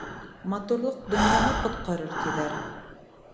Матурлыҡ донъяны ҡотҡарыр, тиҙәр.